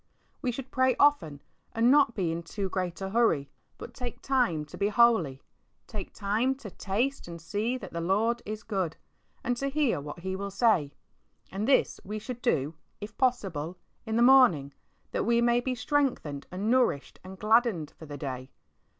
We should pray often and not be in too great a hurry, but "take time to be holy;^' take time to "taste and see that the Lord is good," and to hear what He will say. And this we should do, if possible, in the morning, that we may be strengthened and nourished and gladdened for the day.